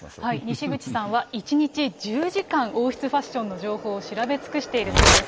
にしぐちさんは１日１０時間、王室ファッションの情報を調べ尽くしているそうです。